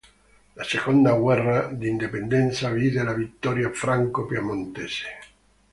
La seconda guerra d'indipendenza vide la vittoria franco-piemontese.